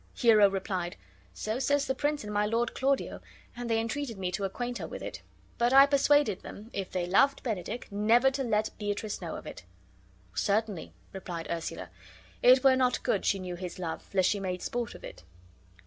Hero replied, "So says the prince and my lord Claudio, and they entreated me to acquaint her with it; but I persuaded them, if they loved Benedick, never to let Beatrice know of it." "Certainly," replied Ursula, "it were not good she knew his love, lest she made sport of it."